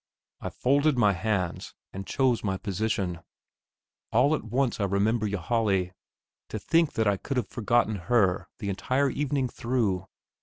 I folded my hands and chose my position. All at once I remember Ylajali. To think that I could have forgotten her the entire evening through!